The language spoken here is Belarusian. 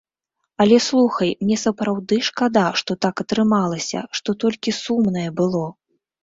Але слухай, мне сапраўды шкада, што так атрымалася, што толькі сумнае было.